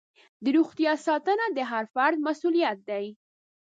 د روغتیا ساتنه د هر فرد مسؤلیت دی.